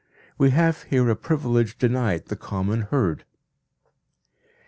We have here a privilege denied the common herd.